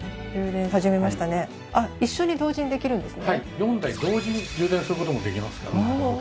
４台同時に充電する事もできますから。